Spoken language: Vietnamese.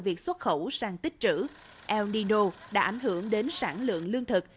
từ việc xuất khẩu sang tích trữ el nino đã ảnh hưởng đến sản lượng lương thực